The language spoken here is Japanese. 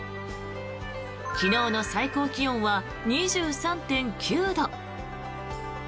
昨日の最高気温は２３．９度。